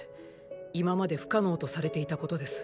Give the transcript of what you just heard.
今まで不可能とされていたことです。